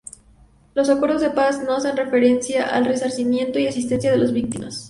Los Acuerdos de Paz no hacen referencia al resarcimiento y asistencia a las víctimas.